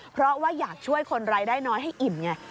เพราะว่าอยากช่วยคนรายได้น้อยให้อิ่มไง